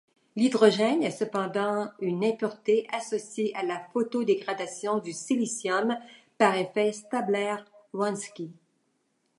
L'hydrogène est cependant une impureté associée à la photodégradation du silicium par effet Staebler–Wronski.